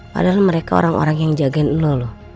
padahal mereka orang orang yang jagain lo loh